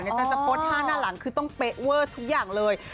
จะจะพด๕หน้าหลังคือต้องเป๊ะเวิร์ดทุกอย่างเลย